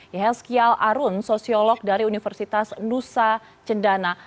yehelskial arun sosiolog dari universitas nusa cendana